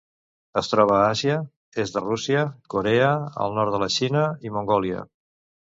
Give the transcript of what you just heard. Es troba a Àsia: est de Rússia, Corea, el nord de la Xina i Mongòlia.